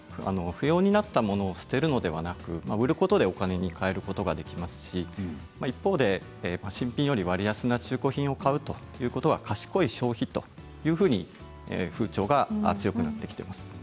不要になったものを捨てるのではなく売ることでお金に変えることができますし一方で新品より割安な中古品を買うということが賢い消費というふうな風潮が強くなってきています。